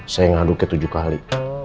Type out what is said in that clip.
saya ngaduknya tujuh kali